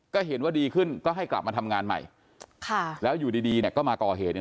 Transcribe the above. ก็เห็นว่าดีขึ้นก็ให้กลับมาทำงานใหม่แล้วอยู่ดีก็มาก่อเหตุ